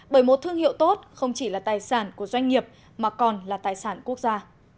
bởi một thương hiệu tốt không chỉ là tài sản của doanh nghiệp mà còn là tài sản quốc gia